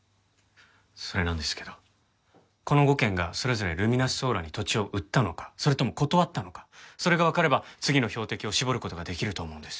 それなんですけどこの５軒がそれぞれルミナスソーラーに土地を売ったのかそれとも断ったのかそれがわかれば次の標的を絞る事ができると思うんです。